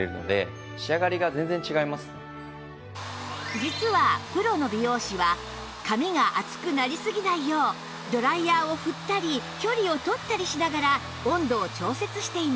実はプロの美容師は髪が熱くなりすぎないようドライヤーを振ったり距離を取ったりしながら温度を調節しています